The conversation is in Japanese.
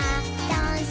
ダンス！